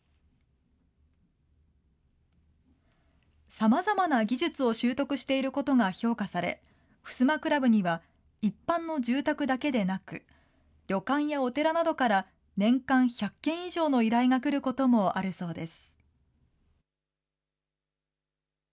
さまざまな技術を習得していることが評価され、襖クラブには一般の住宅だけでなく、旅館やお寺などから年間１００件以上の依頼が来ることもあるそうです。